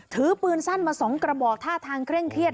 ถือปืนสั้นมา๒กระบอกท่าทางเคร่งเครียด